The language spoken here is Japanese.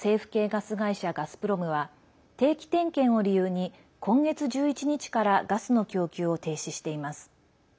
ガスプロムは定期点検を理由に今月１１日からガスの供給を停止しています。